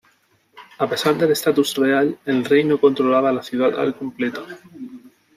A pesar del estatus real, el rey no controlaba la ciudad al completo.